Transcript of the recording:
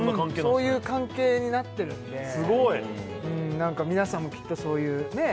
そういう関係になってるんでうん何か皆さんもきっとそういうねえ？